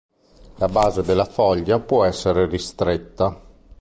La base della foglia può essere ristretta.